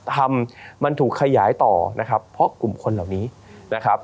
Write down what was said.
ทำมันถูกขยายต่อนะครับเพราะกลุ่มคนเหล่านี้นะครับ